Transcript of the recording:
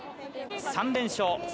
３連勝。